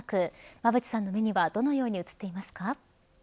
馬渕さんの目にはどのように映っていますか。